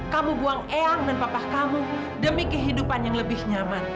kamu buang eang dan papah kamu demi kehidupan yang lebih nyaman